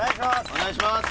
お願いします。